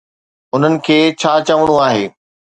انهن کي ڇا چوڻو آهي؟